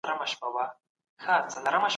سياستوال بايد د ستونزو پر مهال سړه سينه ولري.